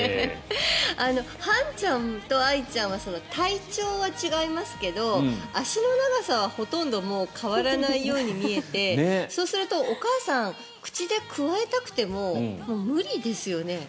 はんちゃんとあいちゃんは体長は違いますけれど足の長さはほとんど変わらないように見えてそうすると、お母さん口でくわえたくても無理ですよね。